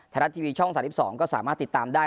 ไทยรัฐทีวีช่อง๓๒ก็สามารถติดตามได้